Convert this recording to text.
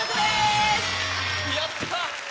やった！